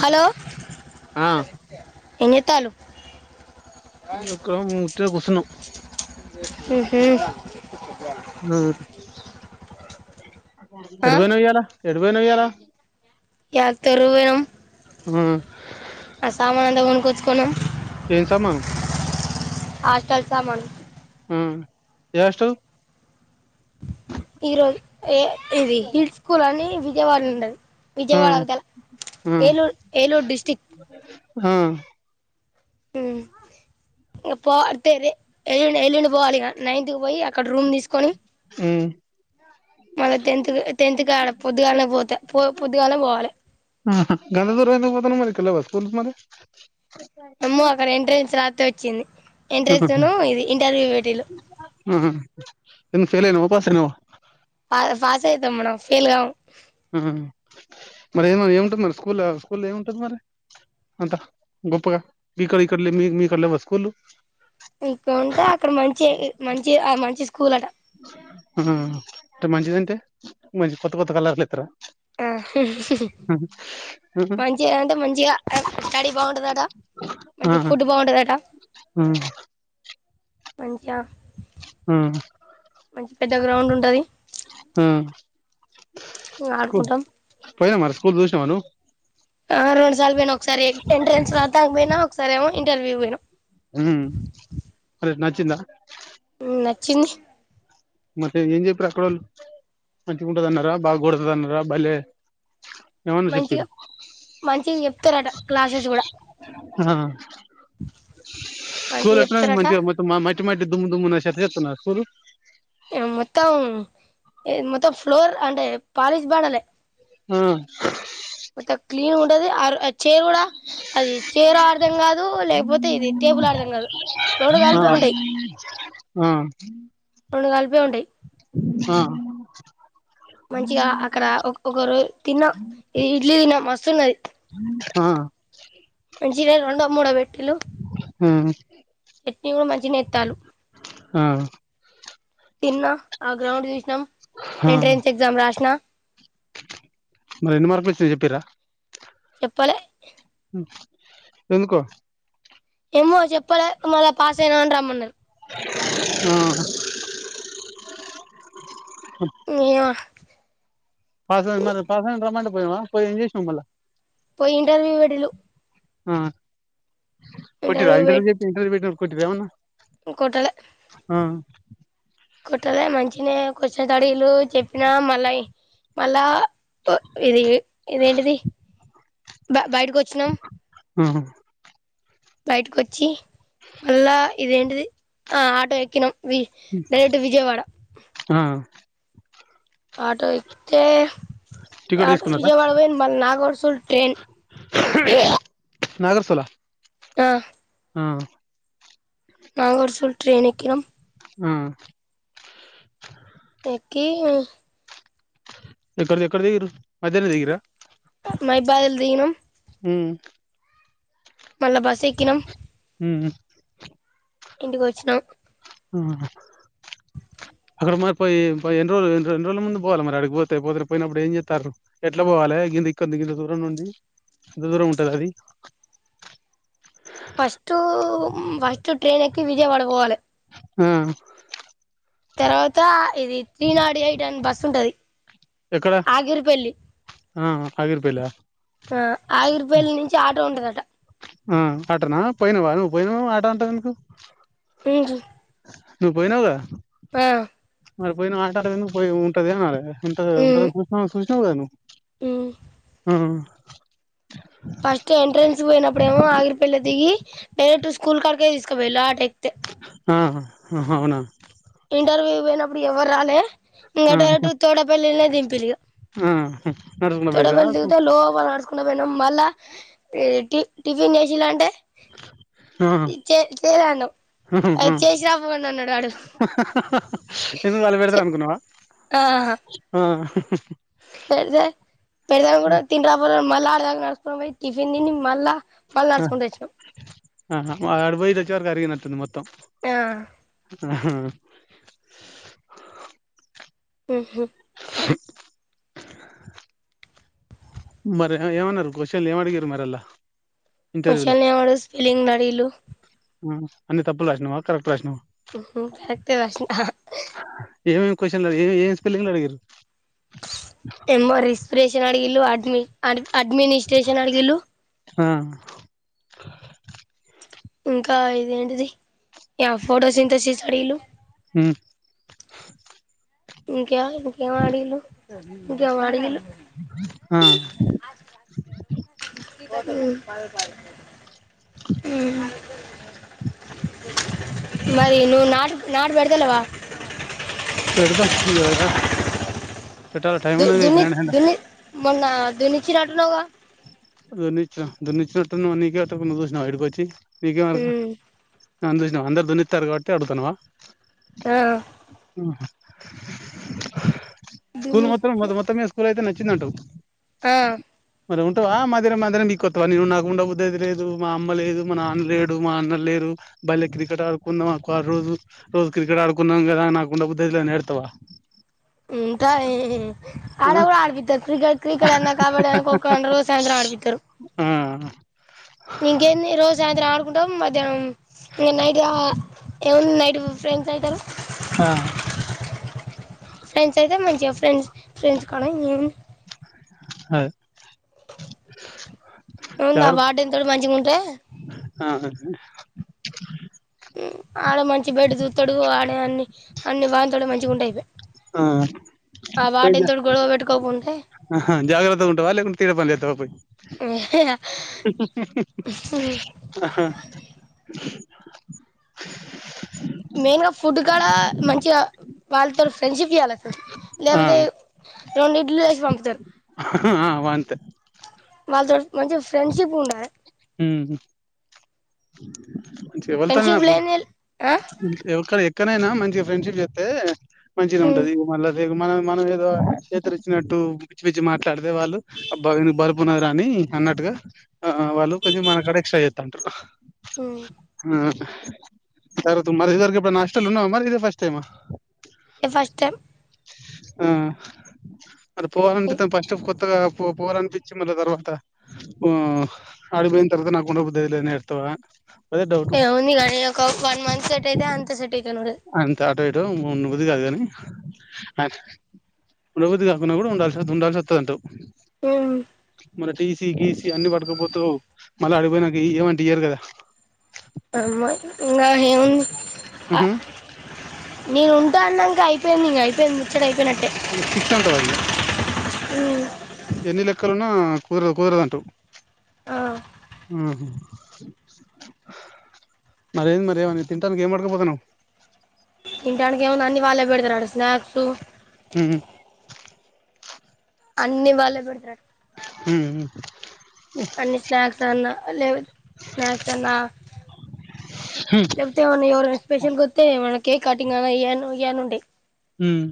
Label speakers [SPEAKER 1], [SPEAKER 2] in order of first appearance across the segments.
[SPEAKER 1] Hello
[SPEAKER 2] ఆ
[SPEAKER 1] ఏం జేతల్లు
[SPEAKER 2] ఇక్కడ ఉట్టిగా కుసున్నము ఆ ఎటు పోయినవు ఇయ్యలా ఎటు పోయినవ్ ఇయ్యాల
[SPEAKER 1] క తొర్రూకు పేనం
[SPEAKER 2] ఆ
[SPEAKER 1] ఆ సామానంత కొనుకుచుకున్నాము
[SPEAKER 2] ఏం సామాను
[SPEAKER 1] హాస్టల్ సామాను
[SPEAKER 2] ఉమ్ ఏ హాస్టల్
[SPEAKER 1] ఈరోజు ఏ ఇది హిల్ స్కూల్ అని విజయవాడల ఉన్నది
[SPEAKER 2] ఆ
[SPEAKER 1] విజయవాడ అవతల
[SPEAKER 2] ఆ
[SPEAKER 1] ఏలూరు ఏలూరు డిస్టిక్
[SPEAKER 2] ఆ
[SPEAKER 1] ఇ పో ఎలి ఎల్లుండి ఎల్లుండి పోవాలి ఇగ నైన్త్ కి పోయి అక్కడ రూమ్ తీసుకొని మళ్ళా టెన్త్ టెన్త్ కా పొద్దుగాలనే పోతే పొద్దుగాలానే పోవాలి
[SPEAKER 2] ఆహా గంత దూరం ఎందుకు పోతానవు మరి ఇక్కడ లెవ్వ స్కూల్స్ మరి
[SPEAKER 1] ఎమ్మో అక్కడ ఎంట్రన్స్ రాతే వచ్చింది
[SPEAKER 2] ఆహా
[SPEAKER 1] ఎంట్రెన్స్ ఉన్ను ఇది ఇంటర్వ్యూ పెట్టిల్లు
[SPEAKER 2] ఎ ఫేల్నానవ పాసైనవా
[SPEAKER 1] పా పాస్ అతం మనం ఫెల్ కామ్
[SPEAKER 2] మరి ఏ మరి ఏం ఏముంటది మరి స్కూల్ల స్కూల్ల ఏముంటది మరి అంతా గొప్పగా మీక్కడ ఇక్కడ మీ మీకడలేవ స్కూళ్ళు
[SPEAKER 1] ఇక్కడ ఉంటే అక్కడ మంచి మంచి ఆ మంచి స్కూల్ అట
[SPEAKER 2] ఆ అంటే మంచిదింటే మంచి కొత్త కొత్త కలర్లు ఎతర
[SPEAKER 1] ఆ మంచిగా అంటే మంచిగా స్టడీ బాగుంటందట మంచి
[SPEAKER 2] ఆ
[SPEAKER 1] ఫుడ్ బాగుంటదట
[SPEAKER 2] ఆ
[SPEAKER 1] మంచిగా
[SPEAKER 2] ఉమ్
[SPEAKER 1] మంచి పెద్ద గ్రౌండ్ ఉంటది
[SPEAKER 2] హ్మ్
[SPEAKER 1] ఇగ ఆడుకుంటాం
[SPEAKER 2] పోయినా మరి స్కూల్ జూసినవ నువ్
[SPEAKER 1] ఆహా రొండు సార్లు పోయినా ఒకసారి టెంట్రెన్స్ రాత్తానికి పోయినా ఒకసారి ఏమో ఇంటర్వ్యూకి పోయినా
[SPEAKER 2] హ్మ్ మరి నచ్చిందా
[SPEAKER 1] నచ్చింది
[SPEAKER 2] మట్టే ఏం జెప్పిర్ అక్కడోళ్ళు మంచిగా ఉంటది అన్నరా బాగోడదు అన్నరా బలే
[SPEAKER 1] మంచిగా మంచిగ్ జెప్ తరట క్లాసెస్ గూడ
[SPEAKER 2] ఆ స్కూల్ ఎట్లున్నది మంచిగా మొత్తం మా మట్టి మట్టి దుమ్ము దుమ్ము ఉన్నద చెత్త చెత్త్ ఉన్నద స్కూలు
[SPEAKER 1] ఏ మొత్తం ఏ మొత్తం ఫ్లోర్ అంటే పాలిష్ బార్డర్లే
[SPEAKER 2] ఆ
[SPEAKER 1] టది అర్ ఆ చైర్ కూడా అది చైరో అర్దం కాదు లేకపోతే ఇది టేబుల్ అర్దం కాదు రొండు
[SPEAKER 2] ఆ
[SPEAKER 1] కలిపే ఉంటయి
[SPEAKER 2] ఆ
[SPEAKER 1] రొండు కలిపే ఉంటయి
[SPEAKER 2] ఆ
[SPEAKER 1] మంచిగా అక్కడ ఒక్ ఒక రోజు తిన్నా ఈ ఇడ్లీ తిన్నా మస్తున్నది
[SPEAKER 2] ఆ ఆ
[SPEAKER 1] మంచినే రొండో మూడో పెట్టిన్లు
[SPEAKER 2] హ్మ్
[SPEAKER 1] చట్నీ కూడా మంచినే ఏత్తాన్లు
[SPEAKER 2] ఆ
[SPEAKER 1] తిన్నా ఆ గ్రౌండ్ చూసినం
[SPEAKER 2] ఆ
[SPEAKER 1] ఎంట్రన్స్ ఎగ్జామ్ రాసిన
[SPEAKER 2] మరి ఎన్ని మార్కులు అచ్చినయి చెప్పే
[SPEAKER 1] పలే
[SPEAKER 2] ఎందుకో
[SPEAKER 1] ఏమో చెప్పలే మళ్ళ పాస్ అయినావు అని రమ్మన్నరు
[SPEAKER 2] ఆ
[SPEAKER 1] ఏమో
[SPEAKER 2] పాస్ అయినవ్ మరి పాస్ అయినవ్ రమ్మంటే పోయినవా పోయి ఏం చేసినవ్ మళ్ళ
[SPEAKER 1] పోయి ఇంటర్వ్యూ పెట్టిన్లు
[SPEAKER 2] ఆ కొట్టిన్ర ఇంటర్వ్యూ చెప్పి ఇంటర్వ్యూ పెట్టినప్పుడు కొట్టిన్ర ఏమన్నా
[SPEAKER 1] కొట్టలే
[SPEAKER 2] ఆ
[SPEAKER 1] కొట్టలే మంచినే క్వశ్చన్స్ అడిగిన్లు చెప్పినా మళ్ళ ఈ మళ్ళా ఆ ఇది ఇదేంటిది బ బయటకొచ్చినం
[SPEAKER 2] ఆ
[SPEAKER 1] బయటికొచ్చి మళ్ళా ఇదేంటిది ఆ ఆటో ఎక్కినం వి డైరెక్టు విజయవాడ
[SPEAKER 2] ఆ
[SPEAKER 1] ఆటో ఎక్తే
[SPEAKER 2] టికెట్
[SPEAKER 1] ఆటో
[SPEAKER 2] తీసుకున్నారా
[SPEAKER 1] విజయవాడ వోయింది మల్ నాగోర్సుల్ ట్రైన్
[SPEAKER 2] నాగర్సుల ఉమ్
[SPEAKER 1] నాగోర్సుల్ ట్రైన్ ఎక్కినం
[SPEAKER 2] హ్మ్
[SPEAKER 1] ఎక్కీ
[SPEAKER 2] ఎక్కడ ఎక్కడ దిగీరు మధ్యల దిగిరా
[SPEAKER 1] మైబాదులు దిగినాం
[SPEAKER 2] ఉం
[SPEAKER 1] మళ్ళా బస్సు ఎక్కినం
[SPEAKER 2] ఉం ఉం
[SPEAKER 1] ఇంటికి వచ్చినం
[SPEAKER 2] హమ్
[SPEAKER 1] హ్
[SPEAKER 2] అక్కడ మరి పోయి పోయి ఎన్ని రోజులు రోజుల ముందు పోవాలి పోతే మరి అడిగిపోతే పో పోయినప్పుడు ఏం చేస్తారు ఎట్లా పోవాలి ఇంది కింత దూరం నుండి ఎంత దూరం ఉంటది అది
[SPEAKER 1] ఫస్ట్ ఫస్ట్ ట్రైన్ ఎక్కి విజయవాడ పోవాలి
[SPEAKER 2] ఉం
[SPEAKER 1] తర్వాత ఇది త్రీ నాట్ ఎయిట్ అని బస్ ఉంటది
[SPEAKER 2] ఎక్కడ
[SPEAKER 1] ఆగిరిపల్లి
[SPEAKER 2] ఆ ఆగిరిపల్లి ఆ
[SPEAKER 1] ఆ ఆగిరిపల్లి నుంచి ఆటో ఉంటదట
[SPEAKER 2] ఆ ఆటనా పోయినావా నువ్వు పోయినావు ఆట అంటావు ఎందుకు
[SPEAKER 1] ఉంజ్జ్ [unintelligible]
[SPEAKER 2] నువ్వు పోయినావగా
[SPEAKER 1] ఆ
[SPEAKER 2] మరి పోయిన ఆట ఆడ పోయి ఉంటదిన [unintelligible] ఉంట ఉంట సూ సూచనవుదా నువ్వు
[SPEAKER 1] ఉం
[SPEAKER 2] ఆ
[SPEAKER 1] ఫస్ట్ ఎంట్రెన్స్ పోయినప్పుడేమో ఆగిరిపల్లి దిగి డైరెట్ స్కూల్ కాడకే తీసుకపోళ్ళి అటే
[SPEAKER 2] ఆ హ అవునా
[SPEAKER 1] ఇంటర్వ్యూ పోయినప్పుడు ఎవరు రాలే ఇంకా
[SPEAKER 2] ఆహా
[SPEAKER 1] డైరెక్ట తోడపల్లినే దింపిల్లిగా
[SPEAKER 2] ఆ నడుచుకుంట పోయిర్రా
[SPEAKER 1] తోటపల్లి దిగుతే లోపలికి నడుచు పోయినాం మళ్ళా టి టిఫిన్ చేసిలా అంటే
[SPEAKER 2] ఆహా
[SPEAKER 1] చే చేయలే అన్నం అ చేసి రాపో అన్నాడు అడు
[SPEAKER 2] హా హా ఎందుకు వాళ్ళు పెడతారు అనుకున్నావా ఆ
[SPEAKER 1] పెడదే పెడదే కూడా తినీరా పో మళ్ళా అడదాం క నడుచుకుంట పోయి టిఫిన్ తిని మళ్ళా [unintelligible] నడుచుకుంటూ వచ్చినాం
[SPEAKER 2] ఆ ఆహా అటు పోయి ఇటు వచ్చరికే అరిగి నట్టు ఉంది మొత్తం
[SPEAKER 1] ఆ
[SPEAKER 2] ఆ హ
[SPEAKER 1] ఉ హమ్
[SPEAKER 2] శ మరి ఏమన్నారు క్వశ్చన్ ల ఏమి అడిగిర మరల్లా
[SPEAKER 1] క్వశ్చన్లు ఏం అడిగ స్పెల్లింగ్ అడిగిల్లు
[SPEAKER 2] అన్ని తప్పులు రాసినావా కరక్ట్ రాసినవా
[SPEAKER 1] ఉహ్ కరెక్టే రాసిన హ
[SPEAKER 2] ఏమేమి క్వశ్చన్ అడిగిళ్ళు ఏమి స్పెల్లింగులు అడిగారు
[SPEAKER 1] ఏమో రిస్ేష [unintelligible] న్ అడిగి అడ్మనిస్్రేషన్ అడిగిలు
[SPEAKER 2] ఆ
[SPEAKER 1] ఆ ఇది ఏంటిది ఫోటో సింథసిస్ అడిగిల్లు
[SPEAKER 2] ఉం
[SPEAKER 1] ఇంకా ఇంక ఏమి అడి గిల్లు ఇంక ఏమో అడి గిల్లు
[SPEAKER 2] ఆ,
[SPEAKER 1] హ్మ్ హ్మ్ మరి నువ్ నాట్ నాటు బెడతలేవా??
[SPEAKER 2] దేవ్వుడా
[SPEAKER 1] దు దునిక్ దుని మొన్న దునికి నట్టున్నావ్గా
[SPEAKER 2] దున్నించిన దున్నించినట్టు ఉంది నీకే [unintelligible] నువ్ జూసినవా ఈడకొచ్చి పీకే మానరుగా
[SPEAKER 1] ఉమ్
[SPEAKER 2] నన్ జూసినవా అందరు దున్నితారు కాబట్టి అడుగుతానావ
[SPEAKER 1] ఆ
[SPEAKER 2] అహ స్కూల్
[SPEAKER 1] దుని
[SPEAKER 2] మొత్రం మొత్తమే స్కూల్ అయితే నచ్చిందంటావ్
[SPEAKER 1] ఆ
[SPEAKER 2] మరి ఉంటావా మర్ మధ్యాహ్నం మధ్యాహ్నం ఇంటి కొత్తవ నేను నాకు ఉండ బుడ్డయిత లేదు మా అమ్మ లేదు మా నాన్న లేడు మా అన్న లేరు బల్లెకి క్రికెట్ ఆడుకున్దామా ఒక రోజు రోజు క్రికెట్ ఆడుకున్నాం కదా నాకుండా బుద్ధి అయితలేదు అని నేడుతవా
[SPEAKER 1] హు ఇంక ఆడన్ కూడా ఆడపితవా క్రికెట్ క్రికెట్ అన్నా కబ్బడి అన్నా ఖోఖ అన్నా రోజు సాయంత్రం ఆడిపితారు
[SPEAKER 2] ఆ
[SPEAKER 1] ఇంకేంది రోజు సాయంత్రం ఆడుకుంటాం మధ్యాహ్నం ఇంకా నైట్గా ఏముంది నైట్ ఫ్రెండ్స్ అవుతారు
[SPEAKER 2] ఆ
[SPEAKER 1] ఫ్రెండ్స్ అయితే మంచించిగా ఫ్రెండ్స్ ఫ్రెండ్స్ [unintelligible] ఏమ్
[SPEAKER 2] హయ్
[SPEAKER 1] వుందా [unintelligible] మంచిగా ఉంటే
[SPEAKER 2] ఆహా
[SPEAKER 1] ఆడ మంచి బెడ్ చూస్తాడు ఆడ అన్ని అన్ని [unintelligible] మంచిగా ఉంటాయి
[SPEAKER 2] ఆ పోయి
[SPEAKER 1] వాడ్
[SPEAKER 2] జా
[SPEAKER 1] ఇంతటి గొడవ పెట్టుకోకుండా
[SPEAKER 2] ఆహా జాగ్రత్తగా ఉంటావా లేకుంటే తినే పని జెస్తావా పోయి ఆహా
[SPEAKER 1] మెయిన్ గా ఫుడ్ కూడా మంచిగా వాళ్ళతో ఫ్రెండ్షిప్ చేయ్యాలి
[SPEAKER 2] ఆ
[SPEAKER 1] లేకపోతే రెండు ఇడ్లీలు వేసి పంపుతారు
[SPEAKER 2] హా అవంతే
[SPEAKER 1] వాల్తోని మంచి ఫ్రెండ్షిప్ ఉండాది
[SPEAKER 2] హ్మ్ నుంచ్ వెళ్తున్న
[SPEAKER 1] ఫ్రెండ్షిప్
[SPEAKER 2] ఫుడ్
[SPEAKER 1] లేని ఆ
[SPEAKER 2] [unintelligible] ఎక్కనైనా మంచి ఫ్రెండ్షిప్ చెస్తే మంచిగా ఉంటది ఇంగా మళ్ళ మన మనం ఏదో చేతులు ఇచ్చినట్టు పిచ్చి పిచ్చి మాట్లాడితే వాళ్ళు బలుపు ఉన్న అని అన్నట్టుగా ఆ వాళ్ళు కొంచం మనక్కడ ఎక్స్ట్రా చేస్తాంటారు ఆ [unintelligible] మరి ఇదే ఫస్ట్ టైమ్ ఆ
[SPEAKER 1] పస్ట్ టై
[SPEAKER 2] ఆ అది పోవాలంట ఫస్ట్ఫ కొత్ పో పోర్నిపించి మళ్ళ తర్వాత ఆ అడబోయిన తర్వాత నాకు ఉండ బుద్ధి అయేద్ లేదని ఏడుతావా
[SPEAKER 1] ఏ ఉందిగానీ ఒక వన్ మంత్ సట్ అయితే అంత సట్ అయితేను
[SPEAKER 2] అంతే ఆటో ఇటో ఉండ బుద్ది కాదు కాని అ ఉండ బుద్ది కాకపోయినా కూడా ఉంల్సి ఉండాల్సి వస్తుంది అంటవ్
[SPEAKER 1] ఎం
[SPEAKER 2] మళ్ళీ టీసీ గీసీ అన్ని పడకపోతవ్ మళ్ళీ అడిపోయినంక ఇయ మంటే ఇయరు కదా
[SPEAKER 1] అమ్మ ఇందాక ఎముంది ఆ నేను ఉంటా అన్నాంక అయిపోయింది ఇంక అయిపోయింది ముచ్చట అయిపోయినట్టే
[SPEAKER 2] స్టిక్స్ అంటావు అది ఇగ ఎన్ని లెక్కలున కూదరదు కూదరదు అంటావ్ మరేంది మరి ఎమున్నా తింటానికి ఏం పట్టుకో బోతన్నావు
[SPEAKER 1] తింటానికి ఏముంది అన్ని వాళ్ళే పెడతారు అడ స్నాక్స్ అన్ని వాళ్ళే పెడతారు
[SPEAKER 2] ఉమ్
[SPEAKER 1] అన్ని స్నాక్స్ అన్నా లేవు స్నాక్స్ అన్నా లేప్తేమన్నా ఎవరు స్పెషల్ గోతే మన కేక్ కాటింగ్ అనా ఏయినా ఏయిన ఉంటాయి
[SPEAKER 2] హమ్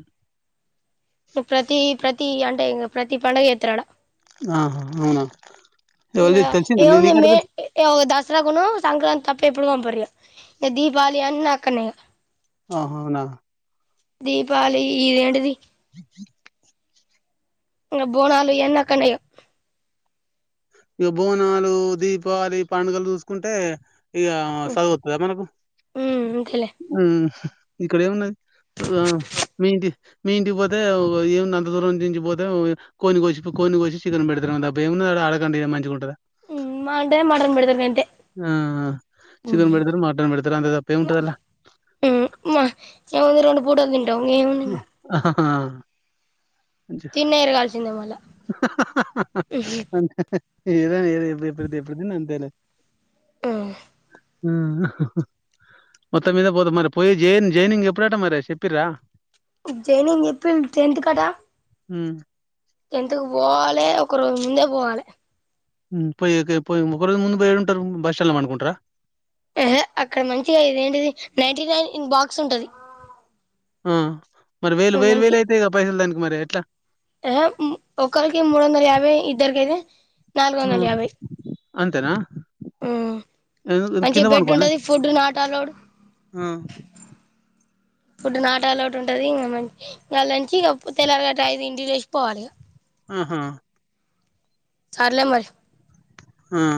[SPEAKER 1] ప్రతి ప్రతి అంటే ప్రతి పండగ చేస్తారు. అడ
[SPEAKER 2] ఆహా అవునా ఎవరిది
[SPEAKER 1] ఇంకా
[SPEAKER 2] తెలిసిందా
[SPEAKER 1] ఏం
[SPEAKER 2] నీ
[SPEAKER 1] వుంది
[SPEAKER 2] నీకెట్ట
[SPEAKER 1] మే
[SPEAKER 2] తెలుసు
[SPEAKER 1] దసరాకి అను సంక్రాంతి తప్ప ఎప్పుడు పంపారు ఇక ఇక దీపావళి అయినాకనే ఇక
[SPEAKER 2] ఆ అవునా
[SPEAKER 1] దీపవళికి ఇది ఏంటిది ఇక బోనాలు యి అని అక్కడ్నే ఇక
[SPEAKER 2] ఇక బోనాలు దీపావళి పండగలు చూసుకుంటే ఇక చదువుతుందా మనకు
[SPEAKER 1] మ్మ్ అంతేలే
[SPEAKER 2] ఉమ్ ఇక్కడ ఏమున్నది ఆ మీ ఇంటి మీ ఇంటికి పోతే ఏం నందదూరం నుంచి పోతే కోడిని కోసి కోడిని కోసి చికన్ పెడుతారు ఏం వుంది అడ అడకన్న ఇడే మంచిగా ఉంటది
[SPEAKER 1] ఉమ్ మండే మటన్ పెడతా నేను
[SPEAKER 2] ఆ చికెన్ పెడతారు మటన్ పెడతారు అంత తప్పే ఉంటది అలా
[SPEAKER 1] మ్మ మొము అయితే రెండు పూటలు తింటాం ఎముంది
[SPEAKER 2] ఆ
[SPEAKER 1] తిన్న ఎరగాల్సిందే మళ్ళ
[SPEAKER 2] అ ఏదా ఏద ఎప్పుడు ఎప్పుడుతే ఎప్పుడుది న తెలే
[SPEAKER 1] ఆమ్
[SPEAKER 2] ఆ మొత్తం మీద పోతా మరి పోయి జైన్ జైనింగ్ ఎప్పుడట మరి చెప్పిరా
[SPEAKER 1] జైనింగ్ చెప్పి టెన్త్ కథ
[SPEAKER 2] హమ్
[SPEAKER 1] ఎంతకు పోవాలే ఒక రోజు ముందే పోవాలే
[SPEAKER 2] పోయి పోయి ఒక రోజు ముందు పోయడుంటారు బస్ స్టాండ్ లో పనుకుంటార
[SPEAKER 1] అహ అక్కడ మంచిగా ఇది ఏంటిది నైన్టీ నైన్ బాక్స్ ఉంటది
[SPEAKER 2] ఆమ్ మరి వేలు వేలు వేలు అయితే క పైసలు దానికి మరి ఎట్లా
[SPEAKER 1] ఆహె ఒకరికి మూడు వందల యాభై ఇద్దరికైతే నాలుగు
[SPEAKER 2] ఆ!
[SPEAKER 1] వందల యాభై
[SPEAKER 2] అంతేనా?
[SPEAKER 1] ఉమ్
[SPEAKER 2] ఎ
[SPEAKER 1] మంచిగా బెడ్ ఉంటది ఫుడ్ నాట్ యలోడ్
[SPEAKER 2] ఆమ్
[SPEAKER 1] ఇప్పుడు నాటాలోటు ఉంటది ఇంకా మంచి ఇంకాంచి ఇం తెల్లలుగా ట ఇంటికి లేసి వపోవాలేక
[SPEAKER 2] ఆహా
[SPEAKER 1] సార్లే మరి
[SPEAKER 2] ఆమ్